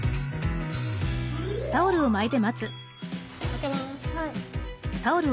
開けます。